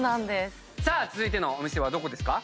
続いてのお店はどこですか？